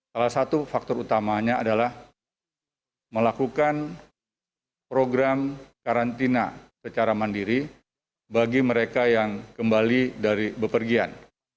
salah satu faktor utamanya adalah melakukan program karantina secara mandiri bagi mereka yang kembali dari bepergian